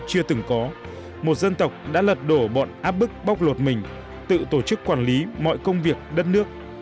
chưa từng có một dân tộc đã lật đổ bọn áp bức bóc lột mình tự tổ chức quản lý mọi công việc đất nước